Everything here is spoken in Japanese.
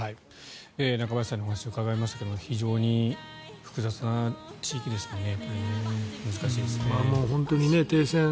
中林さんにお話を伺いましたけれど非常に複雑な地域ですね。